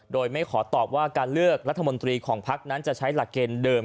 โดยไม่ขอตอบว่าการเลือกรัฐมนตรีของพักนั้นจะใช้หลักเกณฑ์เดิม